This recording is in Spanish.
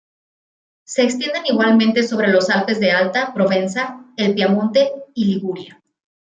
Se extienden igualmente sobre los Alpes de Alta Provenza, el Piamonte y Liguria.